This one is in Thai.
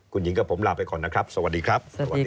คุณหญิงกับผมลาไปก่อนนะครับสวัสดีครับ